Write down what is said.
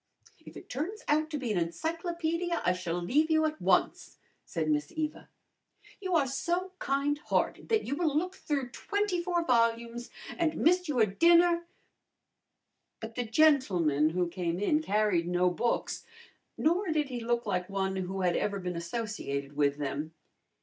"If it turns out to be an encyclopedia I shall leave you at once," said Miss Eva. "You are so kind hearted that you will look through twenty four volumes, and miss your dinner " But the gentleman who came in carried no books, nor did he look like one who had ever been associated with them.